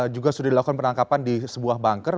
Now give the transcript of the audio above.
juga sudah dilakukan penangkapan di sebuah banker